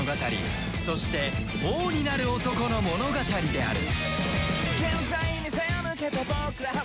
そして王になる男の物語である